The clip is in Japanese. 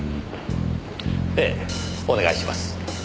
ええお願いします。